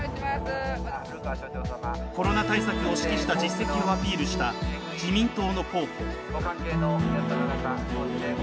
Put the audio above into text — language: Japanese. コロナ対策を指揮した実績をアピールした自民党の候補。